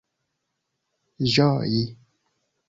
ĝoji